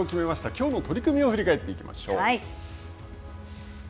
きょうの取組を振り返っていきましょう。